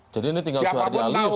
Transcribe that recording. jadi ini tinggal suhardi alius